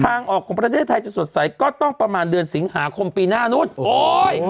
ทางออกของประเทศไทยจะสดใสก็ต้องประมาณเดือนสิงหาคมปีหน้านู้นโอ้ย